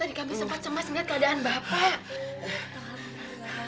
tadi kami sempat cemas ngeliat keadaan bapak